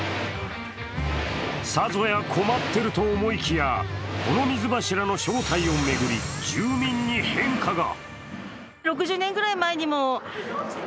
さぞや困ってると思いきやこの水柱の正体を巡り住民に変化が。